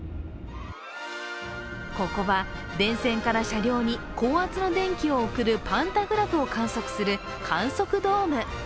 ここは電線から車両に高圧の電気を送るパンタグラフを観測する観測ドーム。